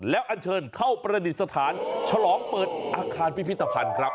แล้วอันเชิญเข้าประดิษฐานฉลองเปิดอาคารพิพิธภัณฑ์ครับ